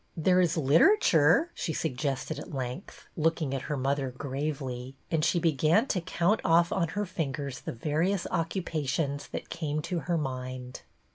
There is literature," she suggested at length, looking at her mother gravely; and she began to count off on her fingers the various occupations that came to her mind.